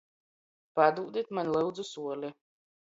Padūdit maņ, lyudzu, suoli!